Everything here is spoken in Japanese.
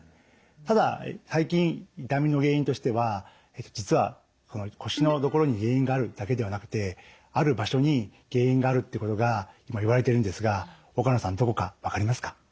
ただ最近痛みの原因としては実は腰の所に原因があるだけではなくてある場所に原因があるってことが今言われてるんですが岡野さんどこか分かりますか？